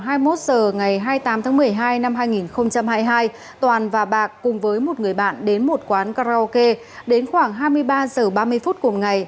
vào hai mươi một h ngày hai mươi tám tháng một mươi hai năm hai nghìn hai mươi hai toàn và bạc cùng với một người bạn đến một quán karaoke đến khoảng hai mươi ba h ba mươi phút cùng ngày